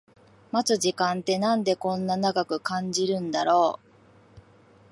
待つ時間ってなんでこんな長く感じるんだろう